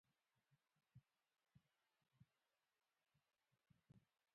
ازادي راډیو د اټومي انرژي په اړه د بریاوو مثالونه ورکړي.